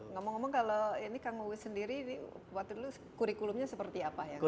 ngomong ngomong kalau ini kang uu sendiri waktu dulu kurikulumnya seperti apa ya